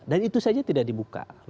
dan itu saja tidak dibuka